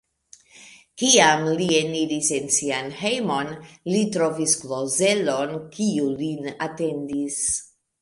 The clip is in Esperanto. Kiam li eniris en sian hejmon, li trovis Klozelon, kiu lin atendis.